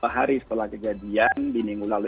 hari setelah kejadian di minggu lalu